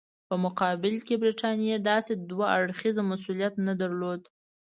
په مقابل کې برټانیې داسې دوه اړخیز مسولیت نه درلود.